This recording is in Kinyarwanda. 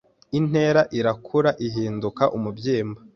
Intera Irakura Ihinduka umubyimba